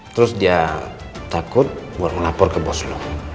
terus dia takut buat melapor ke bos lo